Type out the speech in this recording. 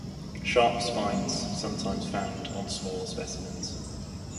Sharp spines sometimes found on smaller specimens.